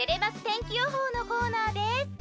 天気予報のコーナーです。